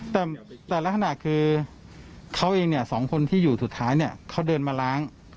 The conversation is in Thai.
แต่ลักษณะคือเขาเองเนี่ยสองคนที่อยู่สุดท้ายเนี่ยเขาเดินมาล้าง